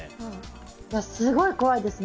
すごい怖いですね。